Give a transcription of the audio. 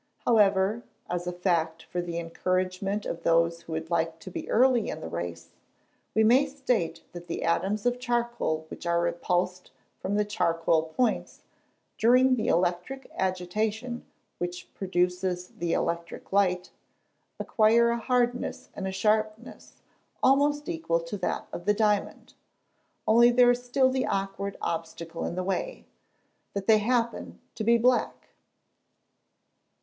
However, as a fact for the encouragement of those who would like to be early in the race, we may state that the atoms of charcoal which are repulsed from the charcoal points, during the electric agitation which produces the electric light, acquire a hardness and a sharpness almost equal to that of the diamond only there is still the awkward obstacle in the way, that they happen to be black.